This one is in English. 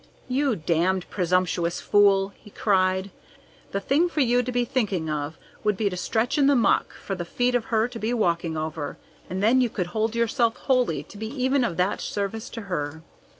"You damned presumptuous fool!" he cried. "The thing for you to be thinking of would be to stretch in the muck for the feet of her to be walking over, and then you could hold yourself holy to be even of that service to her.